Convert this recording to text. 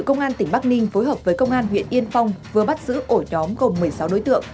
công an tỉnh bắc ninh phối hợp với công an huyện yên phong vừa bắt giữ ổ nhóm gồm một mươi sáu đối tượng